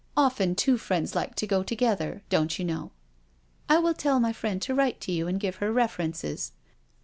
Often two friends like to go together, don*t you know." " I will tell my friend to write to you and give her references."